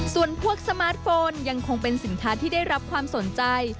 ส่วนพวกสมาร์ทโฟนยังคงเป็นสินค้าที่ได้รับความสนใจ